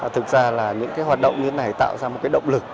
thực ra là những hoạt động như thế này tạo ra một động lực